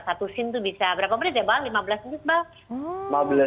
satu scene tuh bisa berapa menit ya bal lima belas menit bal